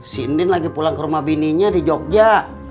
si indin lagi pulang ke rumah bininya di jogja